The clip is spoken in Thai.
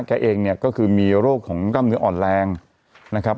แกเองเนี่ยก็คือมีโรคของกล้ามเนื้ออ่อนแรงนะครับ